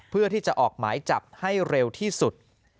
เพื่อที่จะออกหมายจับให้เร็วที่สุด